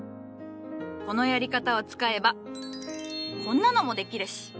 このやり方を使えばこんなのもできるし。